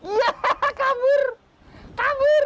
iya kabur kabur